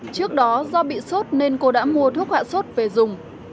trước đó do bị sốt nên cô đã mua thuốc hạ sốt về dùng